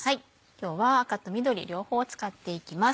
今日は赤と緑両方使っていきます。